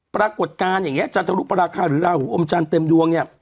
ปรากฏการณ์อย่างนี้จันทรุปราคาหรือราหูอมจันทร์เต็มดวงเนี่ย